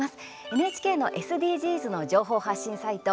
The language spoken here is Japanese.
ＮＨＫのＳＤＧｓの情報発信サイト